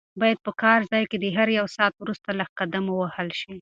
باید په کار ځای کې د هر یو ساعت وروسته لږ قدم ووهل شي.